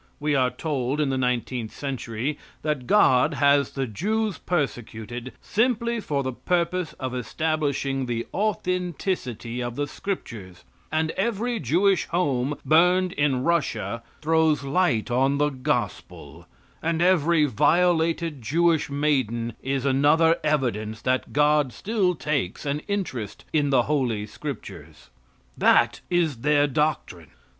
We are told in the nineteenth century that God has the Jews persecuted simply for the purpose of establishing the authenticity of the scriptures, and every Jewish home burned in Russia throws light on the gospel, and every violated Jewish maiden is another evidence that God still takes an interest in the holy scriptures. That is their doctrine.